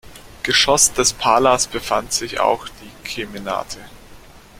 Geschoss des Palas befand sich auch die Kemenate.